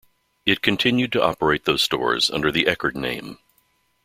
It continued to operate those stores under the Eckerd name.